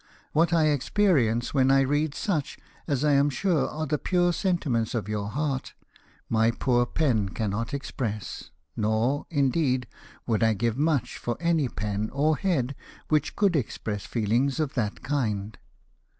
What I experience when I read such as I am sure are the pure sentiments of your heart, my poor pen cannot express ; nor, indeed, would I give much for any pen or head which could express feelings of that kind.